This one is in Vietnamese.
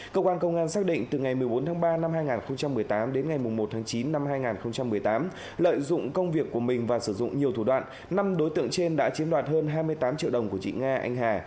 cơ quan công an xác định từ ngày một mươi bốn tháng ba năm hai nghìn một mươi tám đến ngày một tháng chín năm hai nghìn một mươi tám lợi dụng công việc của mình và sử dụng nhiều thủ đoạn năm đối tượng trên đã chiếm đoạt hơn hai mươi tám triệu đồng của chị nga anh hà